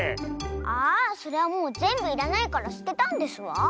ああそれはもうぜんぶいらないからすてたんですわ。